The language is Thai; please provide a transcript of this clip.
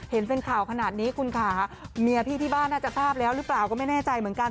เห็นเป็นข่าวขนาดนี้คุณค่ะเมียพี่ที่บ้านน่าจะทราบแล้วหรือเปล่าก็ไม่แน่ใจเหมือนกัน